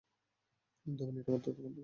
ধমনীটা দ্রুত বন্ধ করতে হবে।